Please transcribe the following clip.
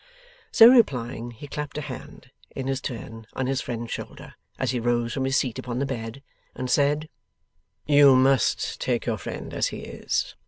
So replying, he clapped a hand, in his turn, on his friend's shoulder, as he rose from his seat upon the bed, and said: 'You must take your friend as he is.